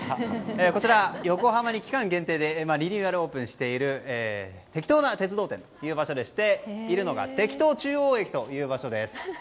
こちら、横浜に期間限定でリニューアルオープンしているてきとな鉄道展という場所でしているのがてきと中央駅という場所です。